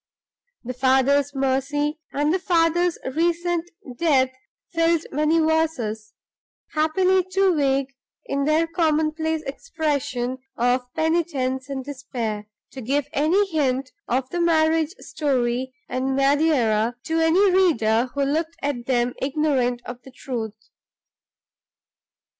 The father's mercy and the father's recent death filled many verses, happily too vague in their commonplace expression of penitence and despair to give any hint of the marriage story in Madeira to any reader who looked at them ignorant of the truth.